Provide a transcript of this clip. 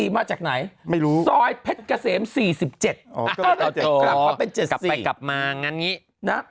มาจากไหนไม่รู้ซอยเพศกระเสม๔๗กลับมาว่างั้นนี้นะ